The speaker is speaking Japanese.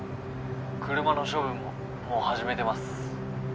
車の処分ももう始めてます。